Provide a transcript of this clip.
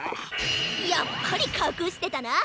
やっぱりかくしてたな！